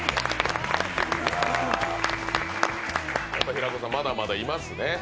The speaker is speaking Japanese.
平子さん、まだまだいますね。